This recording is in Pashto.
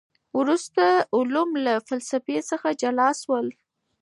وروسته علوم له فلسفې څخه جلا سول.